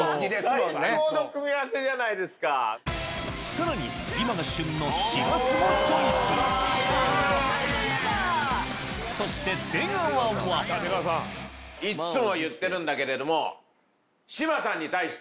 さらに今が旬のシラスもチョイスそしていっつも言ってるんだけれども。